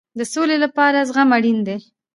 د سولې لپاره زغم اړین دی